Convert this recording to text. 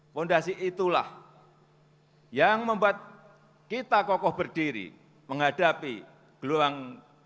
fondasi itulah yang membuat kita kokoh berdiri menghadapi gelombang